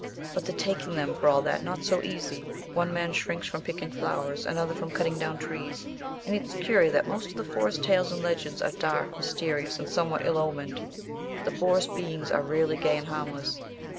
But the taking them, for all that, not so easy. One man shrinks from picking flowers, another from cutting down trees. And, it's curious that most of the forest tales and legends are dark, mysterious, and somewhat ill omened. The forest beings are rarely gay and harmless.